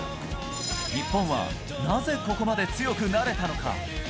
日本はなぜここまで強くなれたのか。